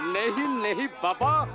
nah nah babah